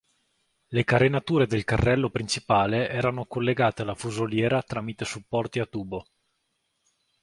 Le carenature del carrello principale erano collegate alla fusoliera tramite supporti a tubo.